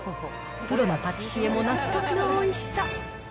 プロのパティシエも納得のおいしさ。